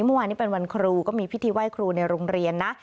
เมื่อวานนี้เป็นวันครูก็มีพิธีไหว้ครูในโรงเรียนนะ